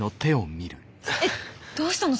えっどうしたの？